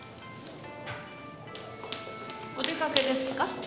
お出かけですか？